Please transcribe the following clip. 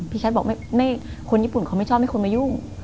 ชัดบอกคนญี่ปุ่นเขาไม่ชอบให้คนมายุ่ง